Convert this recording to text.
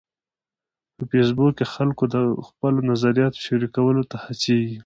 په فېسبوک کې خلک د خپلو نظریاتو شریکولو ته هڅیږي.